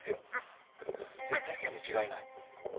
絶対そうに違いない。